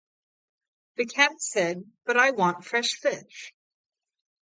The cat said, "But I want fresh fish".